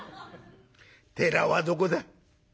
寺はどこだ？」。